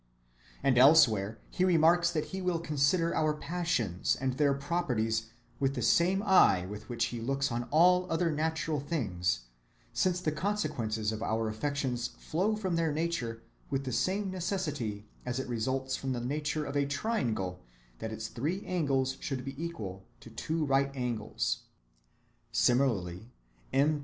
And elsewhere he remarks that he will consider our passions and their properties with the same eye with which he looks on all other natural things, since the consequences of our affections flow from their nature with the same necessity as it results from the nature of a triangle that its three angles should be equal to two right angles. Similarly M.